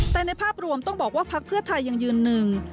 แต่ในภาพรวมต้องบอกว่าพักเพื่อไทยยังยืนหนึ่ง